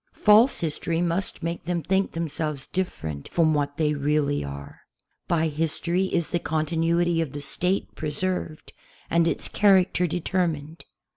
False history must make them think themselves different from what they really are. By history is the continuity of the State pre served and its character determined.